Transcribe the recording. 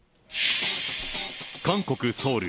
韓国・ソウル。